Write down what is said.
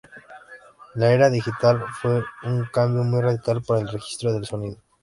La era digital fue un cambio muy radical para el registro del sonido.